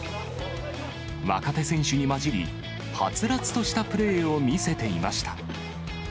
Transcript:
若手選手に交じり、はつらつとしたプレーを見せていました。